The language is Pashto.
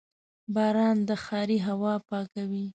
• باران د ښاري هوا پاکوي.